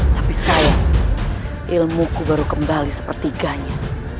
tapi sayang ilmu ku baru kembali seperti ganya